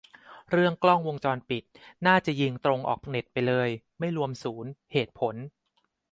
เรื่องกล้องวงจรปิด น่าจะยิงตรงออกเน็ตไปเลย ไม่รวมศูนย์ เหตุผล